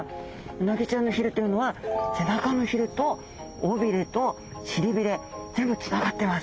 うなぎちゃんのひれというのは背中のひれと尾びれと臀びれ全部つながってます。